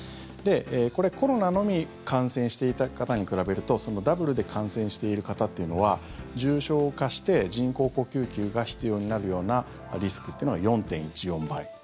これ、コロナのみ感染していた方に比べるとダブルで感染している方というのは重症化して人工呼吸器が必要になるようなリスクというのが４．１４倍。